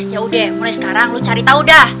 ya udah mulai sekarang lo cari tau dah